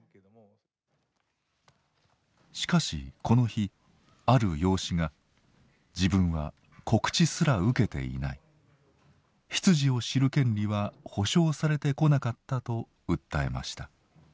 しかしこの日ある養子が「自分は告知すら受けていない」「出自を知る権利は保障されてこなかった」と訴えました。